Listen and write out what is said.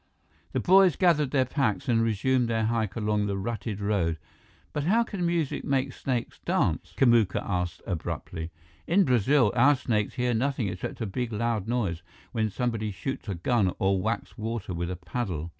The boys gathered their packs and resumed their hike along the rutted road. "But how can music make snakes dance?" Kamuka asked abruptly. "In Brazil, our snakes hear nothing except a big loud noise, when somebody shoots a gun or whacks water with a paddle."